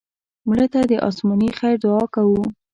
مړه ته د آسماني خیر دعا کوو